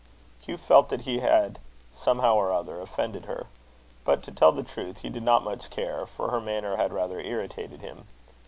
Hugh felt that he had, somehow or other, offended her. But, to tell the truth, he did not much care, for her manner had rather irritated him.